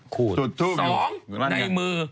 ขูดทูบอยู่อยู่บ้านเนี่ยะสองในมือ